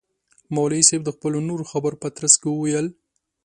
مولوی صاحب د خپلو نورو خبرو په ترڅ کي وویل.